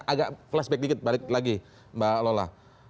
agak flashback dikit balik lagi mbak lola